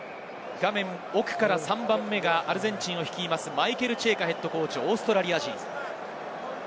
画面奥から３番目がアルゼンチンを率いるマイケル・チェイカＨＣ、オーストラリア人です。